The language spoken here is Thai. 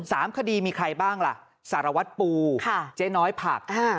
สามคดีมีใครบ้างล่ะสารวัตรปูค่ะเจ๊น้อยผักอ่า